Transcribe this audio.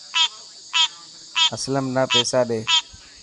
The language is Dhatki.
اسلم نا پيسا ڏي.